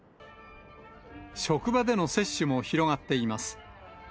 職場での接種も広がっています。